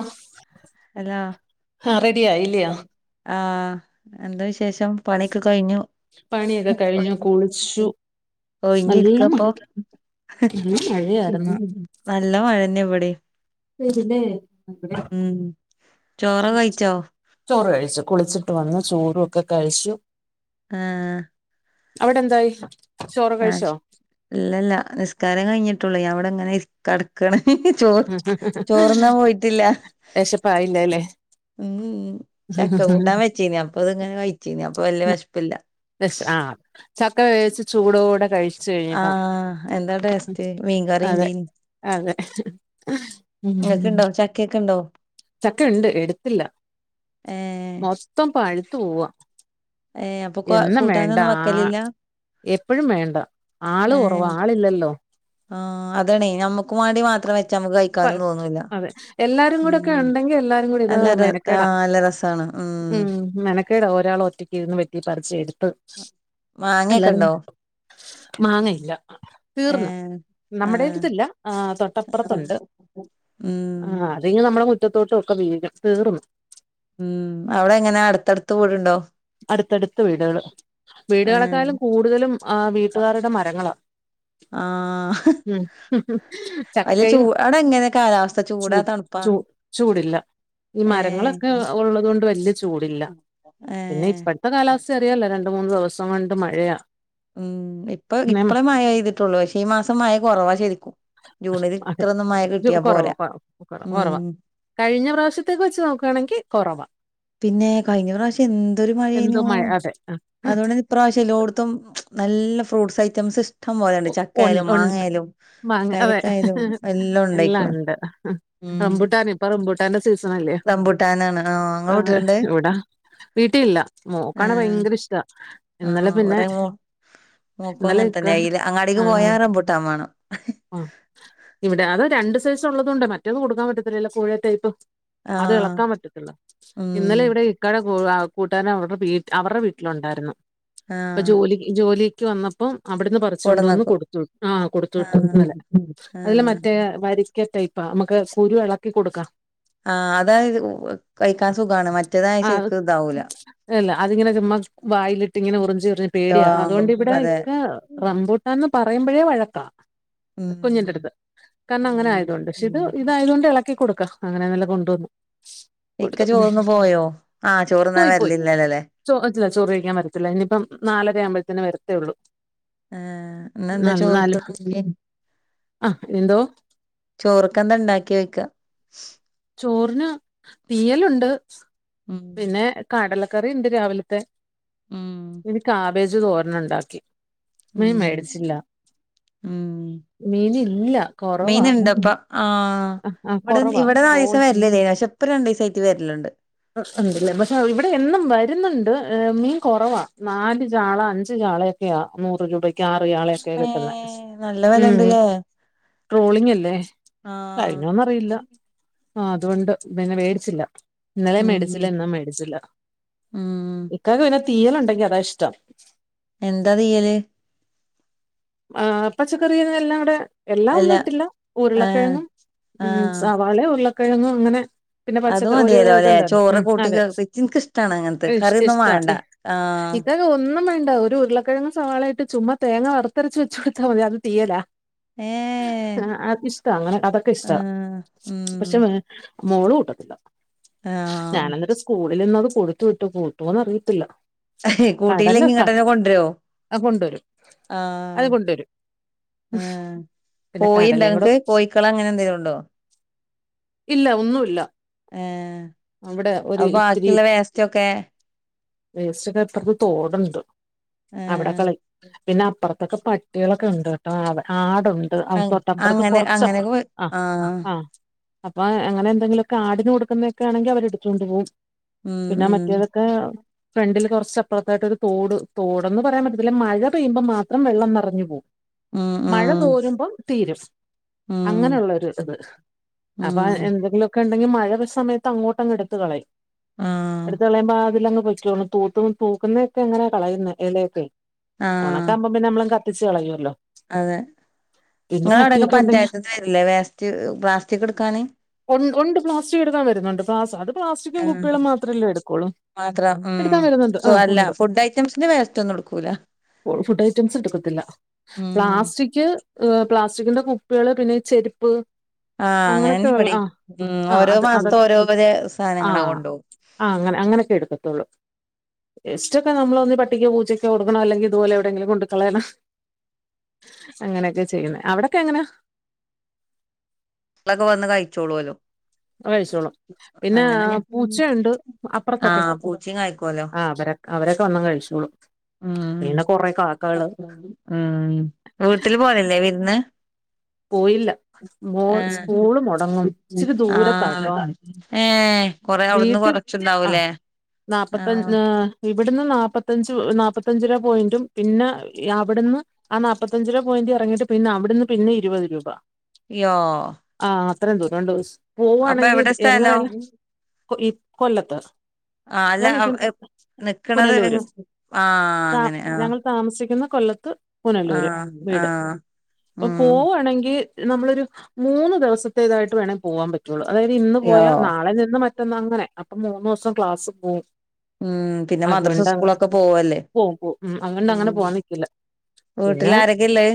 അഹ് hello ആ എന്താ വിശേഷം പണിയൊക്കെ കഴിഞ്ഞു പണിയൊക്കെ കഴിഞ്ഞു കുളിച്ചു നല്ല മ ഒയ്ഞ്ഞിരിക്കാപ്പൊ നല്ല മഴയായിരുന്നു നല്ല മഴന്നെ ഇവടീ ശരില്ലേ ഉം ചോറ കയിച്ചോ? ചോറ് കഴിച്ചു കുളിച്ചിട്ട് വന്ന് ചോറു ഒക്കെ കഴിച്ചു ആ അവിടെന്തായി ആ ഇല്ലല്ല നിസ്കാരം കഴിഞ്ഞിട്ടുള്ളൂ ഞാവടെങ്ങനെരി കടക്കാണ് ചോർ ചോറ്ന്നാ പോയിട്ടില്ല വിശപ്പായില്ലല്ലേ മ്മ് മ്മ് ചക്ക കൂട്ടാൻ വെച്ചീന് അപ്പൊത്ങ്ങനെ കഴിച്ചീന അപ്പൊ വല്ല്യ വെശ്പ്പില്ല വെശ് ആ ചക്ക വേവിച്ച് ചൂടോടെ കഴിച് ആ എന്താ ടേസ്റ്റ് മീൻകറി അതെ ഇണ്ടെയ്നു അതെ ഇങ്ങക്ക് ഉം ഇണ്ടോ ചക്കയൊക്കെ ഇണ്ടോ ചക്കയുണ്ട് എടുത്തില്ല ഏഹ് മോശ് ത്തം പാഴുത്തു പോവാ ഏഹ് അപ്പൊ കു എന്നും വേണ്ട കൂട്ടാനൊന്നും ആ വെക്കലില്ല എപ്പഴും വേണ്ട ആള് കൊറവാ് ആളില്ലല്ലോ ആ അതാണേ നമ്മക് ക്കുമാണ്ടി മാത്രം വെച്ച നമുക്ക് പ കഴിക്കാനും തോന്നൂല്ല അതെ എല്ലാരും കൂടെ ഒക്കെ ഉണ്ടെങ്കി എല്ലാരും കൂടി ഇത് എല്ലാരു ആ മെനക്കേടാ നല്ല രസാണ് ഉം മെനക്കേടാ ഒരാള ഒറ്റക്കിരുന്ന് വെത്തി പറിച്ച എടുത്ത് എല്ലാരും മാങ്ങയൊക്കെണ്ടോ? മാങ്ങയില്ല തീർന്നു ഏഹ് ആഹ് നമ്മടേടുത്തില്ല ഏ തൊ പ്പുറത്തുണ്ട് ഉം ആ അതിനി നമ്മളെ മുറ്റത്തോട്ടൊക്കെ വീഴും തീർന്നു ഉം അവടെങ്ങനാ അടുത്തടുത്ത് വീടുണ്ടോ? അടുത്തടുത്ത വീടുകൾ ആഹ് വീടുകളെക്കളും കൂടുത കൂടുതലും ആ് വീട്ടുകാരുടെ മരങ്ങള ആഹ് [inaudible] വല്യ ചൂ ചക്കയും അവിടെ എങ്ങനെ കാലാവസ്ഥ ചൂടാ ചൂട് തണുപ്പാ? ചൂ ചൂടില്ല ഈ മരങ്ങളൊക്കെ ഏഹ് ഉള്ളത്ുകൊണ്ട് വലിയ ചൂടില്ല പിന്നെ ഇപ്പ ഏഹ് ഇപ്പത്തെ കാലാവസ്ഥ അറിയല്ലോ രണ്ട മൂന്ന്ു ദിവസം കൊണ്ട് മഴയ ഉം ഇപ്പ ഇപ്പഴേ മഴ പെയ്തിട്ടുള്ളൂ പക്ഷേ ഈ മാസം മഴ കുറവ ശരിക്കും ജൂണില് അതെ ഇത്രൊന്നും മഴ കിട്ടിയാ കുറവ് പോരാ കുറവ് കുറവ് ഉം കുറവാ കഴിഞ്ഞ പ്രാവശ്യത്തേക്ക് വെച്ച് നോക്കുകയാണെങ്കിൽ കുറവാ പിന്നെ കഴിഞ്ഞ പ്രാവശ്യം എന്തൊരു എന്തോ മഴയഞ്ഞു മഴ അതെ ആ. അതുകൊണ്ട് ഇപ്രാവശ്യം എല്ലോടത്തും നല്ല ഫ്രൂട്ട്സ് ഐറ്റംസ് ഇഷ്ടം പോലെ ഇഷ്ടം പോലെയണ്ട് ചക്ക ഉൺ- ആയാലും ഉണ്ട് മാങ്ങയായാലും മാങ്ങ അതെ പേരക്കയായലും എല്ലാം ഉണ്ടായിക്കണ റമ്പുട്ടാൻ ഇപ്പോ റംബുട്ടാന്റെ സീസൺ അല്ലേ റംബൂട്ടാനാണ് ആഹ് ഇങ്ങളെ വീട്ടില്ണ്ട് എവിടാ വീട്ടില്ല മോക്കണ ഏഹ് ഭയങ്കര ഇഷ്ടാ ഇന്നലെ പിന്നെ നോക്കും ഇന്നലെ അങ്ങനെ ഇക്ക, തന്നെ അയിൽ ആ, അങ്ങാടക്ക് പോയ റംബൂട്ടാൻ വേണം ആ ഇവിടെ അത് രണ്ട് സൈസ് ഉള്ളത്ണ്ട് മറ്റൊന്ന കൊടുക്കാൻ പറ്റത്തില്ലല്ലോ കോഴേ ടൈപ്പ് അത് ആഹ് ഇളക്കാൻ പറ്റത്തില്ല ഉം ഇന്നലെ ഇവിടെ ക്കടെ കൂട്ടാര അവരുടെ വ അവരുടെ വീട്ടിലുണ്ടായിരുന്നു ഇപ്പൊ ആഹ് ജോലി ജോലിക്ക് വന്നപ്പം അവിടുന്ന് പറഞ്ഞു വിളിച്ചോണ്ട് വന്നു കൊടന്നക്കും കൊടുത്തു വിട്ടു ആഹ് ഇന്നലെ അതില ആഹ് മറ്റേ ടൈപ്പാ നമുക്ക് കുരു ഇളക്കി കൊടുക്കാം ആ അതാണ് കഴിക്കാൻ സുഖമാണ് മറ്റേതായ ആ ശരിക്ക് ഇതാവൂല അല്ല അതിങ്ങനെ ചുമ്മാ വായിലിട്ട് ഇങ്ങനെ ഉറിഞ്ച് എറിഞ്ഞ് പേടിയാ ആഹ് അതുകൊണ്ട്ിവിടെ അതെ ഇക്ക റമ്പൂട്ടന്ന് പറയുമ്പോഴേ വഴക്കാ [inaudible] കുഞ്ഞിന്റെ അടുത്ത് കാരണം അങ്ങനെ ആയത് ഉം. കൊണ്ട് പക്ഷെ ഇത് ഉം ഇതായത് കൊണ്ട് ഇളക്കി കൊടുക്കാം അങ്ങനെന്നല്ല കൊണ്ടുവന്നു ഇക്ക കൊടുത്തു ചോറന്ന പോയോ ആഹ ചോറ്ന്നാൻ പോയി പോയി വരിലില്ലല്ലോ അല്ലേ ചോ ആയിട്ടില്ല ചോറ് കഴിക്കാൻ വരത്തില്ല ഇനിയിപ്പ നാലര ആവുമ്പോഴത്തേ വരത്തേള്ളൂ. ആഹ ഇന്ന് എന്താ ചോറ്ക്ക് കറി ആ എന്തോ ചോറുക്കെന്താ ഉണ്ടാക്കി ചോയ്ക്ക. ചോറിന് തീയലുണ്ട്. ഉം പിന്നെ കടലക്കറി ഇണ്ട് രാവിലത്തെ ഉം ഇനിക്ക ഇനി കാബേജ് തോരൻ ഉണ്ടാക്കി. മീൻ ഉം മേടിച്ചില്ല ഉം മീൻ ഇല്ല കുറവാ. ആ ഇവിടെ ഇവിടെ ട്രോൾ നാലീസം വരലില്ലേന പക്ഷെ ഇപ്പ രണ്ടു ദിവസയിട്ട് വരലുണ്ട്. ഉണ്ടല്ലേ പക്ഷെ ഇവിടെ എന്നും വരുന്നുണ്ട് മീൻ കുറവാ നാല് ചാള അഞ്ച് ചാളയക്കെ ല്ല നൂറ് രൂപക്ക് ആറ് ചാള ഒക്കെ മ്മേ കിട്ടുന്നേ നല്ല വെലണ്ട്ല്ലേ ട്രോളിംഗ് അല്ലേ കഴിഞ്ഞുന്നാ ആഹ് കഴിഞ്ഞോന്ന് അറിയില്ല അപ്പ ആ അതുകൊണ്ട് പിന്നെ മേടിച്ചില്ല. ഇന്നലെ മേടിച്ചില്ല ഉം ഇന്നും മേടിച്ചില്ല ഉം ഇക്കക്ക് പിന്നെ തീയൽ ഉണ്ടെങ്കി അതാ ഇഷ്ടം. എന്താ തീയല്. ആ പച്ചക്കറി യെല്ലാം ഇവിടെ എല്ലാം അല്ല ഒന്നും ഇട്ടില്ല ആഹ് ഉരുളക്കിഴങ്ങും ഉം ആഹ് സവാള ഉരുളക്കിഴങ്ങും അങ്ങനെ പിന്നെ അത് പച്ചക്ക ഒരു മതിയല്ലോല്ലെ ഇതുണ്ടായിരുന്നു ചോറ് ഉ കൂട്ടി അതെ ഇച്ച് ഇൻക്കിഷ്ടാണ് അങ്ങനത്തെ കറിയൊന്നും ഇഷ്ട വാണ്ട ഈ ആഹ് ഇത് ഒന്നും വേണ്ട ഒരു ഉരുളക്കിഴങ് സവാളായിട്ട് ചുമ്മാ തേങ്ങ വറുത്തരച്ച് വെച്ച് കൊടുത്താൽ മതി അത് തീയലാ. ഏഹ് ആ അത് ഇഷ്ട അങ്ങനെ അതൊക്കെ ഇഷ്ട. ആഹ് ഉം പക്ഷെ മോള് കൂട്ടത്തില്ല. ആഹ് ഞാനിന്നിട്ട് സ്കൂളിൽ ഇന്ന് കൊടുത്തു വിട്ടു കുട്ടോന്ന് അറിയത്തില്ല. കടല കൂട്ടില്ലെങ്കി ഇങ്ങട്ടന്നെ കൊണ്ടരോ കൊണ്ടുവരും അത് ആഹ് കൊണ്ടുവരും ആഹ് പിന്നെ കടലയും കൂടെ കോഴിണ്ടോങ്ങക്ക് കോഴി ക്കള അങ്ങെനെന്തങ്കിലുണ്ടോ. ഇല്ല ഒന്നുല്ല ഏഹ് അവിടെ ഒരു അപ്പൊ ഇത്തിരി ബാക്കിയുള്ള വേസ്റ്റ് ഒക്കെ വേസ്റ്റ്ക്കെ ഇപ്പറത്ത് തോടുണ്ട് അവിടെ ഏഹ് കളയും പിന്നെ അപ്പുറത്തൊക്കെ പട്ടികളൊക്കെ ഉണ്ട് കേട്ടോ ആടുണ്ട്. തോട്ടപ്പുറത്ത് അങ്ങനെ കുറച്ചപ്പുറം അങ്ങനെയൊക്കെ പോയി ആഹ് ആഹ് അപ്പൊ അങ്ങനെ എന്തെങ്കിലൊക്കെ ആടന് കൊടുക്കുന്നൊക്കെ ആണെങ്കിൽ അവര് എടുത്തുണ്ട് പോകും. ഉം പിന്നെ ഉം മറ്റേതൊക്കെ. ഫ്രണ്ടിൽ കുറച്ച് അപ്പുറത്തായിട്ടൊ ഒരു തോട് തോടന്ന് പറയാൻ പറ്റത്തില്ല മഴ പെയ്യുമ്പോ മാത്രം വെള്ളം നിറഞ്ഞു പോവും. ഉം മഴ ഉം തോരുമ്പം തീരും ഉം അങ്ങനെയുള്ളൊരു ഇത് അപ്പൊ ഉം എന്തെങ്കിലുമൊക്കെ ഉണ്ടെങ്കിൽ മഴ സമയത്ത് അങ്ങോട്ടങ്ങ് എടുത്ത് കളയും. ആഹ് എടുത്ത കളയുമ്പോ അതിലങ്ങ് പൊയ്ക്കോളും തൂക്കുന്ന തൂക്കുന്നതൊക്കെ എങ്ങനെയാ കളയുന്ന ഇലയൊക്കെ ആഹ് ഓണക്ക ആക്കുമ്പം പിന്നെ നമ്മള് കത്തിച്ച് കളയുവല്ലോ. അതെ പിന്നെ നിങ്ങ അവിടെക്കെ പട്ടിയൊക്കെ ഉണ്ടെങ്കി പഞ്ചായത്തന്ന് വരില്ലേ വേസ്റ്റ് പ്ലാസ്റ്റിക് എടുക്കാന് ഒണ്ട് പ്ലാസ്റ്റിക്ക് എടുക്കാൻ വരുന്നുണ്ട് പ്ലാ അത് പ്ലാസ്റ്റിക്കും ആഹ് കുപ്പികളും മാത്രമല്ലേ എടുക്കോള്ളൂ. മാത്രം ഉം അല്ല ഫുഡ് ഐറ്റംസിന്റെ വേസ്റ്റൊന്നും എടുക്കൂല. ഫുഡ് ഐറ്റംസ് എടുക്കത്തില്ല ഉം പ്ലാസ്റ്റിക് ക് പ്ലാസ്റ്റിക്കിന്റെ കുപ്പികള് പിന്നെ ചെരുപ്പ് ആഹ് അങ്ങനൊക്കെ അങ്ങനെന്നെ ഉള്ള പടിയിം ആഹ് ആഹ് ഓരോ അത് അത് മാസത്ത ഓരോ വരെ സാധനങ്ങളാ ആഹ് കൊണ്ടുപോക. ആഹ് അങ്ങനെ അങ്ങനെയൊക്കെ എടുത്തുട്ടുള്ളൂ. വേസ്റ്റൊക്കെ നമ്മള് ഒന്ന് പട്ടിക്ക് പൂച്ചൊക്കെ കൊടുക്കണം അല്ലെങ്കിൽ ഇതുപലെ എവിടെങ്കിലും കൊണ്ട് പോയി കളയണം. അങ്ങനെയൊക്കെ ചെയ്യുന്ന അവിടൊക്കെ എങ്ങനാ. മക്കളൊക്കെ വന്ന് കഴിച്ചോളൂലും. കഴിച്ചോളും പിന്നെ ഞാൻ പൂച്ചയുണ്ട് അപ്പുറത്തൊക്കെ ആഹ് പൂച്ചിം കായ്ക്കോലോ ആഹ് വരെ അവരൊക്കെ വന്ന് കഴിച്ചോളും ഉം പിന്നെ കൊറെ കാക്കകള് ഉംവീട്ടില് പോകലില്ലേ വിരുന്ന് പോയില്ല. മോൾ അഹ്, സ്കൂള് മുടങ്ങും ഇച്ചിരി ആഹ്, ദൂരത്താട്ടോ ഏഹ് കൊറെഅവുട്ന്ന് കൊറെ ച്ച്ന്താവുലേ ന്നാപ്പത്തഞ് ന്നാ ഇബട്ന്ന് ന്നാപ്പത്തഞ്ച് ന്നാല്പ്പത്തഞ്ചര പോയിന്റും പിന്നെ യവടെന്ന് ആഹ് ന്നാപ്പത്തഞ്ചര പോയിന്റ് ഇറങ്ങിട്ട് പിന്നെ അവിടെന്ന് പിന്നെ ഇരുപത് രൂപ. യോഹ് ആഹ് അത്രേം ദൂരണ്ട് പോവാണെങ്കിൽ എവിടെ സ്ഥലം എങ്ങനെയല്ല ഈ കൊല്ലത്ത് ആഹ് അല്ല ഞാൻ നിക്കു എപ് നിക്കണത് പുനലൂര് എങ് ആഹ് ഞങ്ങൾ താമസിക്കുന്ന കൊല്ലത്ത് പുനല്ലൂര് ആഹ് വീട്. ആഹ് ഉം പൂവാണെങ്കിൽ നമ്മളൊരു മൂന്ന് ദിവസത്തേതായിട്ട് വേണെങ്കി പോവാൻ പറ്റും. പറ്റൊള്ളു അതായത് ഇന്ന് യോ പോയാ നാളെ നിന്ന് മറ്റന്ന് അങ്ങനെ അപ്പം മൂന്ന് ദിവസം ക്ലാസ് പോവും. ഉം പിന്നെ മദ്രസ് അതുകൊണ്ട് അങ്ങ് സ്കൂളൊക്കെ പോവല്ലേ പോവും പോവും അതുകൊണ്ട് ഉം അങ്ങനെ പോവാൻ നിക്കില്ല പിന്നെ വീട്ടിലാരൊക്കെ ഇല്ലേ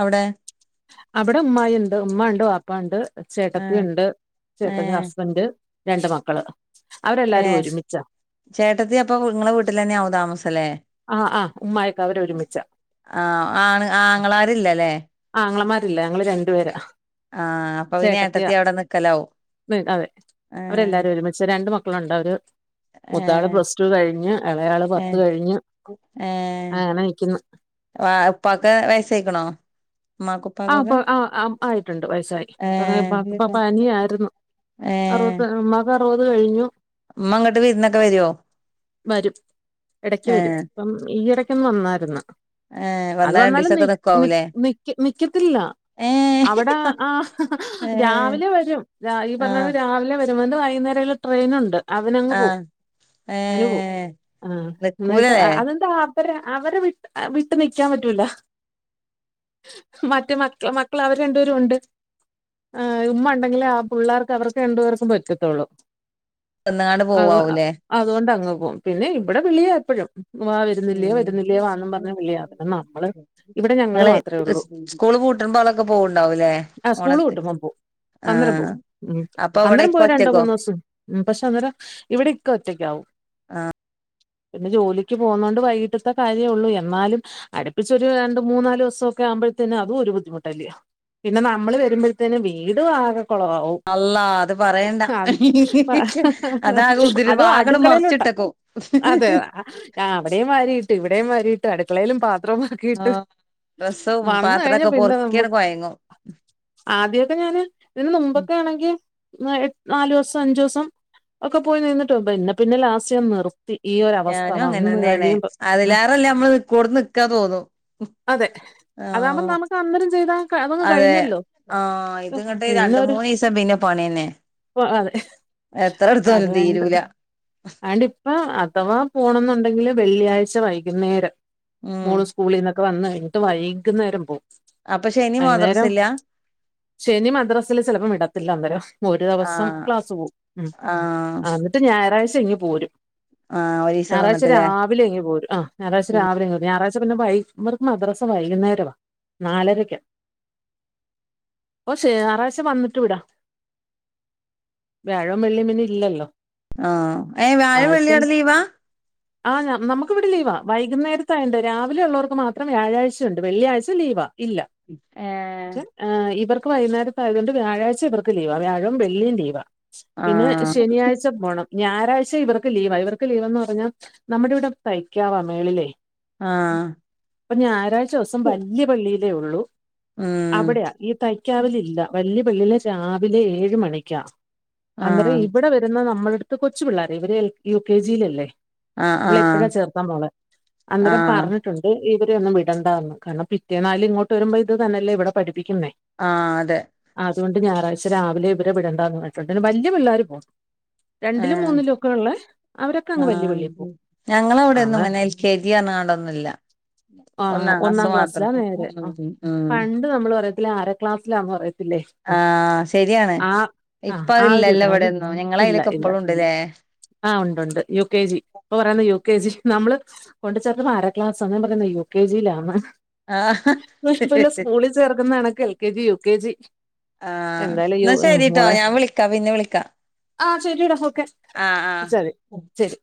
അവുടെ? അവടെ ഉമ്മായി ഉണ്ട് ഉമ്മണ്ട് പാപ്പണ്ട് ആഹ് ചേട്ടത്തിണ്ട് ചേട്ടെന് ഏഹ് ഹസ്ബെന്റ് രണ്ട് മക്കള് അവരെല്ലാരും ഏഹ് ഒരുമിച്ച. ചേട്ടത്തി അപ്പോ നിങ്ങളെ വീട്ടിലെന്നാവും താമസംലെ ആഹ് ആഹ് ഉമ്മായൊക്കെ അവര് ഒരുമിച്ച ആഹ് ആണ് ആങ്ങളാരില്ലലെ? ആങ്ങളമാരില്ല ഞങ്ങള് രണ്ടുപേരാ. ആഹ് അപ്പൊ പിന്നെ ചേട്ടത്തിയ ഏട്ടത്തി അവിടെ നിക്കലാവും ഉം അതെ അവരെല്ലാരും ഏഹ് ഒരുമി ച്ച് രണ്ട് മക്കളുണ്ടവര് മുത്താള് ഏഹ് പ്ലസ് ടു കഴിഞ്ഞ് ഇളയാള് പത്ത് ഏഹ് കഴിഞ്ഞ് ഏഹ് അങ്ങനെ നിക്കുന്നു വ ഇപ്പാക്ക് വെയസയ്ക്ക്‌ണോ? അഹ് ഉപ്പ ആഹ് ആഹ് ആയിട്ടുണ്ട് വയസായി ഏഹ് അങ്ങനെപ്പപ്പ പനിയായിരുന്നു. ഏഹ് അറുവത് ഉമ്മാക്ക് അറുവത് കഴിഞ്ഞു. ഉമ്മ ഇങ്ങട്ട് വിരുന്നൊക്കെ വരുവോ വരും എടക്ക് വരും. ഏഹ് ഇപ്പം ഈ എടയ്ക്കൊന്ന് വന്നാരുന്ന് ഏഹ് അത് വന്നാ വന്നാലും നി രണ്ടീസൊക്കെ നി നിക്കുവാവൂലേ നിക്ക്. നിക്കെത്തില്ല ഏഹ് അവടെ ആഹ് ഏഹ് രാവിലെ വരും രാ ഈ പറഞ്ഞലെ ആഹ് രാ രാവിലെ വെരുമ്പോ ന്ന് വൈകുന്നേരേല് ട്രെയിന്ണ്ട്. അതിനങ്ങ് പോവും ആഹ് അയിന് പോവും ഏഹ് ആ നിക്കൂലേ എന്നിട്ട് അ അതെന്താ വര അവര വിട്ട് അ വിട്ട് നിയ്ക്കാൻ പറ്റൂല. മറ്റ് മക്ക മക്കൾഅവര് രണ്ടേരുണ്ട്. ആഹ് ഉമ്മ ഉണ്ടെങ്കിലെ ആഹ് പുള്ളാർക്ക് അവർക്ക് രണ്ടുപേർക്കും പറ്റത്തൊള്ളൂ. തന്ന്ങ്ങാണ്ട് പോവാവുലെ? അതോണ്ടങ്ങ് പോവും പിന്നെ ഇവടെ വിളിയാ എപ്പഴും. വാ വെരുന്നില്ലിയോ വെരുന്നില്ലെയോ വാന്നും പറഞ്ഞ് വിളിയാ പിന്നെ നമ്മള് ഇവിടെ ഞങ്ങള് മാ സ് സ്കൂള് പൂട്ട്മ്പോളൊക്കെ പോവ്ണ്ടാവുല്ലേ ആ സ്കൂള് ഓണത്ത് വിട്ടുമ്പം പോവും അന്നേരം പോവും ഉം അന്നേരം ഇവിടെക്ക പോയി രണ്ടോ ഒറ്റക്കോ മൂന്നോ സും ഉം പക്ഷെ അന്നേരം ഇവിടെക്ക ഒറ്റക്കാവും. പിന്നെ ജോലിക്ക് പോകുന്നോണ്ട് വൈകിട്ടത്തെ കാര്യോള്ളൂ എന്നാലും അടുപ്പിച്ചൊരു രണ്ട് മൂന്നാല്സം ക്കെ ആവുമ്പോത്തന്നെ അതും ഒര് ബുദ്ധിമുട്ടല്ലെ പിന്നെ ന്നമ്മള് വെരുമ്പോത്തിനും വീട് ആകെ കൊളാവാവും. അള്ളാ അത് പറയണ്ട അഹ് ആഹ് അതാകെ [unintelligible] ഉതിര് അതു ആകട് അടുക്കളേലോട്ട് മൊറച്ചിട്ടക്കും അതെ അ ആ അവിടേം വാരീട്ട് ഇവിടേം വാരീട്ട് അടുക്കളേലും പാത്രമാക്കിയിട്ട് ഡ്രെസ്സും പാത്രൊക്കെ പൊർക്കിയണ് കൊയങ്ങും. ആദ്യോക്കെ ഞാന് ഇതിന് നുമ്പൊക്കെ ആണെങ്കി ന്നാഎട്ട് ന്നാലൂസം അഞ്ചൂസം ഒക്കെ പോയി നിന്നിട്ടു പിന്നെ പിന്നെ ലാസ്റ്റ് നിറു ത്തി ഈഒരാ ഞാനും അങ്ങനെന്നെണ് അതിലാറെല്ലെ അമ്മള് നിക്ക്‌ണോട്ത്ത് നിക്കാ തോന്നും. അതെ അതാവുമ്പോ ആഹ് ന്നമ്മക്ക് അന്നേരം ചെയ്താ അതങ്ങ് അതെ കഴിഞ്ഞല്ലോ ആഹ് ഇത് ഇങ്ങട്ട് രണ്ട്, മൂന്നിസം പിന്നെ പണിയെന്നെ. പ്പോ അതെ അത് വേണ്ട് തീരൂല ആണ്ട് ഇപ്പ അഥവാ പോണംന്നുണ്ടെങ്കില് വെള്ളിയാഴ്ച വൈകുന്നേരം ഉം മോളു സ് കൂളീന്നൊക്കെ വന്ന് കഴിഞ്ഞിട്ട് വൈക്ന്നേരം പോം അപ്പൊ ശനി മദ്റസ ഇല്ല്യാ ശനി മദ്രസില് ചിലപ്പോം വിടത്തില്ല അന്നേരം ഒരു ദിവസം ആഹ് ക്ലാസ്സ് പോവും ഉംഹ് ആഹ് അന്നിട്ട് ഞായറാഴ്ച ഇങ്ങ് പോരും ആഹ് ഒരീസം ഞായറാഴ്ച നിന്നിട്ടില്ലേ രാ വിലെ ഇങ്ങു പോരും ആഹ് ഞായാറാഴ്ച്ച രാവിലെ ഇങ്ങക്ക് ഞായറാഴ്ച പിന്നെ വൈ ഇവർക്ക് മദ്രസ് സ വൈകുന്നേരവാ നാലരയ്ക്കാ ഓ ശേ ഞായറാഴ്ച വന്നിട്ട് വിടാ വ്യാഴോം വെള്ളീം പിന്നെ ഇല്ലല്ലോ ആഹ് ഏയ് വ്യാഴോം വെള്ളീം ആഴ്ചയിൽ അവിടെ ലീവാ ആ നമ്മ് നമ്മുക്ക് ഇവിടെ ലീവാ വൈകുന്നേരത്ത് ആയോണ്ട് രാവിലെ ഉള്ളോർക്ക് മാത്രം വ്യാഴാഴ്ച ചുണ്ട് വെള്ളിയാഴ്ച ലീവാ ഇല്ല ഏഹ് ആഹ് ഇവർക്ക് വൈകുന്നേരത്തായതുകൊണ്ട് വ്യാഴാഴ്ച ഇവർക്ക് ലീവാ വ്യാഴവും വെള്ളീം ലീവാ പിന്നെ ആഹ് ശനിയാഴ് ച്ച പോണം ഞായറാഴ്ച ഇവർക്ക് ലീവ ഇവർക്ക് ലീവ്ന്ന് പറഞ്ഞാൽ നമ്മുടെ ഇവിടെ തയ്ക്കാവാ മേളിലേ ആഹ് അപ്പൊ ഞായറാഴ്ചോസം വല്യ പള്ളീലേ ഒള്ളൂ ഉം അവിടെയാ ഈ തയ് ക്കാവിലില്ല വല്യ പള്ളീല് ശാവിലെ ഏഴ് മണിക്കാ അന്നേരം ആഹ് ഇവിടെ വരുന്ന നമ്മളടുത്ത് കൊച്ചു പിള്ളാര ഇവരെ എൽ യു കെ ജി ലല്ലേ ആഹ് ഇവളെ ആഹ് ഇപ്പഴാ ചേർത്താൻ പോണേ അന്നേരം ആഹ് പറ ട്ടുണ്ട് ഇവരെ ഒന്നും വിടണ്ടാന്ന് കാരണം പിറ്റേന്നാല് ഇങ്ങോട്ട് വരുമ്പോ ഇത് തന്നേല്ലേ ഇവിടെ പഠിപ്പിക്കുന്നേ ആഹ് അതെ അതോണ്ട് ഞായറാഴ്ച രാവിലെ ഇവരെ വിടണ്ടാന്ന് പറഞ്ഞിട്ടുണ്ട് വല്ല്യ പിള്ളേര് പോ രണ്ടിലും ഏഹ് മൂന്നിലും ഒക്കെ ഉള്ളെ അവരൊക്കെ അങ്ങ് വല്യ ആഹ് പള്ളി പോവും ഞങ്ങളവ്ടെഎന്നും ഇങ്ങനെ എൽ ക്കെ ജി അർഞ്ഞ്കാണ്ടൊന്നും ഇല്ല ആഹ് ഒന്നാം ക്ലാസ്സിലാ നേരെ ആഹ് ഉം ഉം പണ്ട് നമ്മള് പറയത്തില്ലെ ആര ക്ലാസ്സിലാന്ന് പറയത്തില്ലേ ആഹ് ശരിയാണ് ആ ആ ഇപ്പ ആ ഒരു അഅ്ല്ലല്ലോ ഇതാണ് ഇവടെയൊന്നും ഞങ്ങള അയ്ലൊക്കെ ഇപ്പഴും ഉണ്ട്ല്ലേ ആഹ് ഉണ്ട് ഉണ്ട് യു കെ ജി ഇപ്പൊ പറയുന്ന യു കെ ജി നമ്മള് കൊണ്ട് ചേർത്തപ്പ അര ക്ലാസാന്ന് ഞാൻ പറഞെന്നാ യു കെ ജിലാന്ന് ആഹ് ഇക്കൊല്ലം സ്കൂളിൽ ചേർക്കുന്ന കണക്ക് L K G U K G ആഹ് എന്തായാലും യു ഇന്നാ ശരീട്ടോ ഞാൻ വിളിക്കാം പിന്നെ വിളിക്കാം ആഹ് ശരിടാ ഓക്കെ ആഹ് വിളിച്ചാതി ശരി